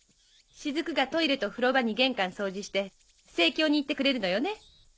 雫がトイレと風呂場に玄関掃除して生協に行ってくれるのよね？